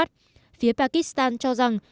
phía pakistan cho rằng